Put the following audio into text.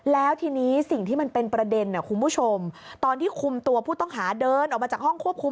แล้วทีนี้สิ่งที่มันเป็นประเด็นคุณผู้ชมตอนที่คุมตัวผู้ต้องหาเดินออกมาจากห้องควบคุม